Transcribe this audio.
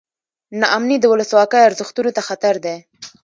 نا امني د ولسواکۍ ارزښتونو ته خطر دی.